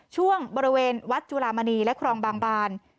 ช่วงบริเวณวัดจุลามณีและครองบางบาน